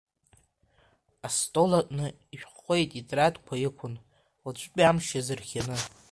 Астол аҟны ишәҟәқәеи итетрадқәеи ықәын, уаҵәтәи амш иазырхианы.